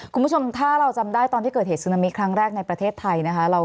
คุณผู้ชมถ้าเราจำได้ตอนที่เกิดเหตุซึนามิครั้งแรกในประเทศไทยนะคะ